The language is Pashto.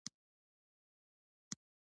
له هر چا د ريښتيا ويلو تمه مکوئ